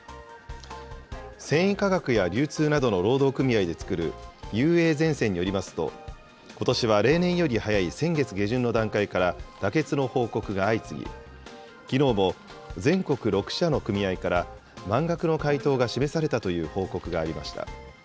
繊維化学や流通などの労働組合で作るＵＡゼンセンによりますと、ことしは例年より早い先月下旬の段階から、妥結の報告が相次ぎ、きのうも全国６社の組合から、満額の回答が示されたという報告がありました。